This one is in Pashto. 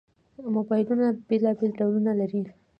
موبایلونه بېلابېل ډولونه لري.